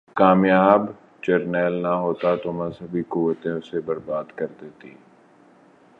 کامیاب جرنیل نہ ہوتا تو مذہبی قوتیں اسے برباد کر دیتیں۔